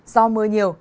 do mưa nhiều